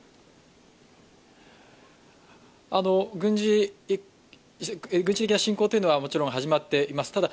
軍事的な侵攻というのはもちろん始まっています。